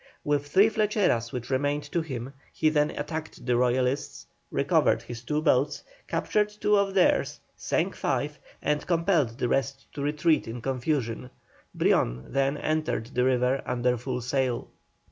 With three flecheras which remained to him, he then attacked the Royalists, recovered his two boats, captured two of theirs, sank five, and compelled the rest to retreat in confusion. Brion then entered the river under full sail.